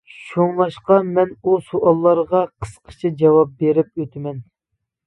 شۇڭلاشقا مەن ئۇ سوئاللارغا قىسقىچە جاۋاب بېرىپ ئۆتىمەن.